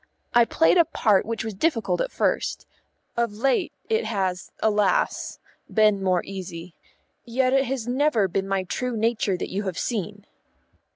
I played a part which was difficult at first; of late, it has, alas! been more easy. Yet it has never been my true nature that you have seen."